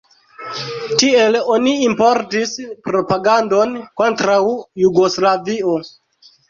Tiel oni importis propagandon kontraŭ Jugoslavio.